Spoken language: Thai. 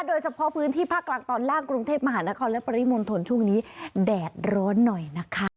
โดยเฉพาะพื้นที่ภาคกลางตอนล่างกรุงเทพมหานครและปริมณฑลช่วงนี้แดดร้อนหน่อยนะคะ